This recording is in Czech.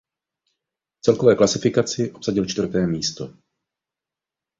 V celkové klasifikaci obsadil čtvrté místo.